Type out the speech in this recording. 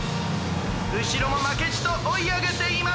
「うしろもまけじとおいあげています！